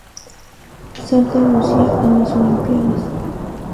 Santa Lucía en las olimpíadas